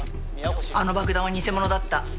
あの爆弾は偽物だった。